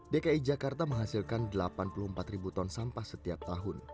dki jakarta menghasilkan delapan puluh empat ribu ton sampah setiap tahun